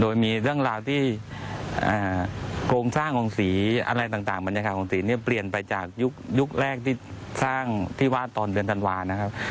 โดยมีเรื่องราวที่โครงสร้างของสีอะไรต่างบรรยากาศของสีเนี่ยเปลี่ยนไปจากยุคแรกที่สร้างที่ว่าตอนเดือนธันวานะครับ